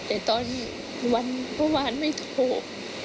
แต่ตอนวันเมื่อวานไม่โทร